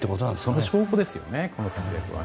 その証拠ですよね。